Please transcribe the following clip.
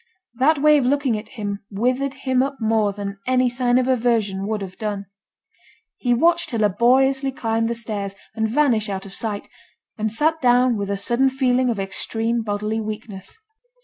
That way of looking at him withered him up more than any sign of aversion would have done. He watched her laboriously climb the stairs, and vanish out of sight; and sat down with a sudden feeling of extreme bodily weakness.